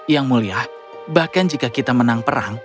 yang mulia bahkan jika kita menang perang